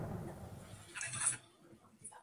Ella queda sola en la ruta.